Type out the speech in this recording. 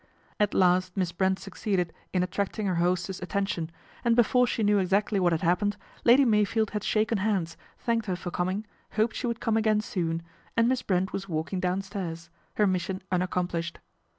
At last Miss Brent succeeded in attracting her hostess' attention, and before she knew exactly what had happened, Lady Meyfield had shaken hands, thanked her for coming, hoped she would come again soon, and Miss Brent was walking downstairs her mission unaccomplished.